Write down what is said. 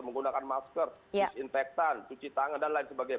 menggunakan masker disinfeksi cuci tangan dan lain lain